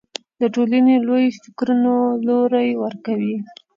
د ټولنې لویو فکرونو لوری ورکوي